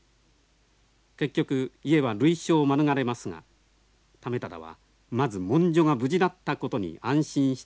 結局家は類焼を免れますが為理はまず文書が無事だったことに安心したと記しています。